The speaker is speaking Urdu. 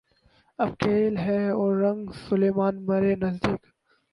اک کھیل ہے اورنگ سلیماں مرے نزدیک